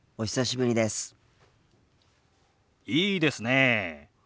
いいですねえ。